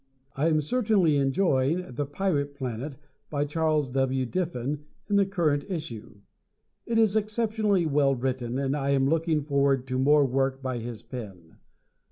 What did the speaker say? I am certainly enjoying "The Pirate Planet," by Charles W. Diffin, in the current issue. It is exceptionally well written, and I am looking forward to more work by his pen.